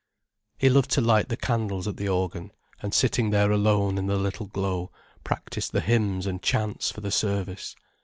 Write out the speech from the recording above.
He loved to light the candles at the organ, and sitting there alone in the little glow, practice the hymns and chants for the service.